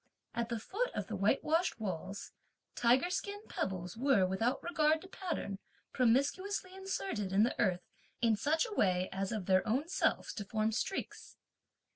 At the foot of the white washed walls, tiger skin pebbles were, without regard to pattern, promiscuously inserted in the earth in such a way as of their own selves to form streaks.